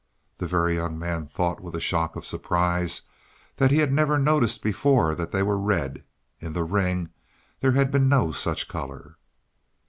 The Very Young Man thought with a shock of surprise that he had never noticed before that they were red; in the ring there had been no such color.